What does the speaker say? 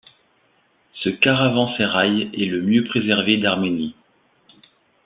Ce caravansérail est le mieux préservé d'Arménie.